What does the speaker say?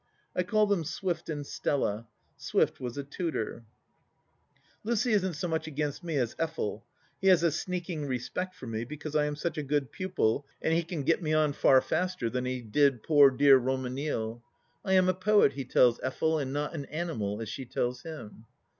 I call them Swift and Stella: Swift was a tutor Lucy isn't so much against me as Effel ; he has a sneaking respect for me because I am such a good pupil and he can get me on far faster than he did poor dear Romanille ! I am a poet, he tells Effel, and not an animal, as she tells him.